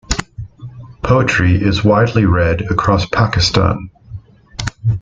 Poetry is widely read across Pakistan.